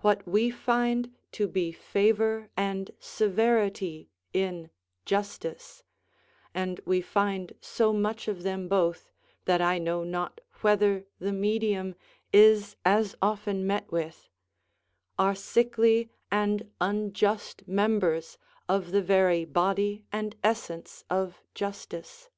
What we find to be favour and severity in justice and we find so much of them both, that I know not whether the medium is as often met with are sickly and unjust members of the very body and essence of justice.